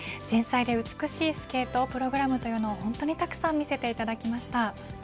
繊細で美しいスケートプログラムというのも本当にたくさん見せていただきました。